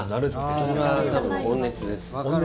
それは多分、温熱です。